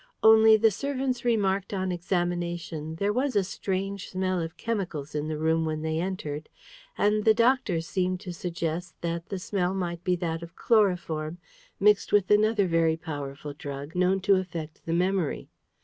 Only, the servants remarked on examination, there was a strange smell of chemicals in the room when they entered; and the doctors seemed to suggest that the smell might be that of chloroform, mixed with another very powerful drug known to affect the memory.